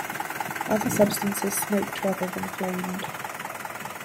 Other substances smoked rather than flamed.